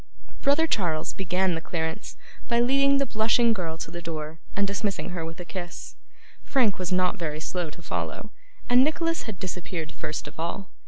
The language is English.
Brother Charles began the clearance by leading the blushing girl to the door, and dismissing her with a kiss. Frank was not very slow to follow, and Nicholas had disappeared first of all.